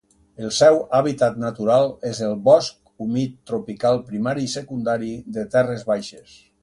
El seu hàbitat natural és el bosc humit tropical primari i secundari de terres baixes.